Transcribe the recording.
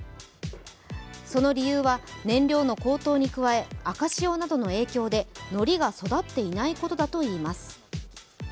その理由は、燃料の高騰に加え赤潮などの影響で海苔が育っていないことだといいます。